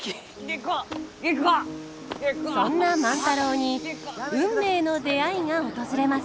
そんな万太郎に運命の出会いが訪れます。